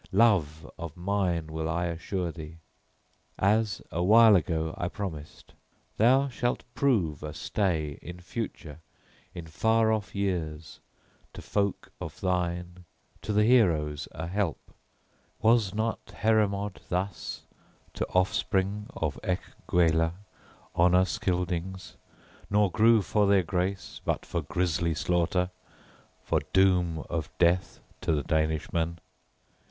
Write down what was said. Love of mine will I assure thee, as, awhile ago, I promised; thou shalt prove a stay in future, in far off years, to folk of thine, to the heroes a help. Was not Heremod thus to offspring of Ecgwela, Honor Scyldings, nor grew for their grace, but for grisly slaughter, for doom of death to the Danishmen.